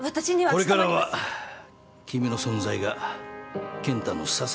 これからは君の存在が健太の支えになる。